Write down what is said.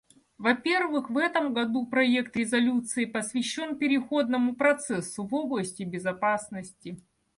Вопервых, в этом году проект резолюции посвящен переходному процессу в области безопасности.